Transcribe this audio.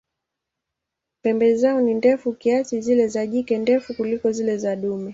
Pembe zao ni ndefu kiasi, zile za jike ndefu kuliko zile za dume.